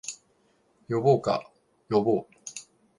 呼ぼうか、呼ぼう